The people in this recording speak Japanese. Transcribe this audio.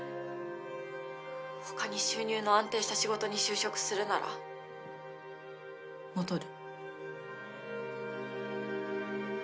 他に収入の安定した仕事に就職するなら戻る。